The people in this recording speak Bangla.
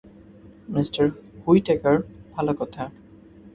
মিঃ হুইটেকার, ভালো কথা।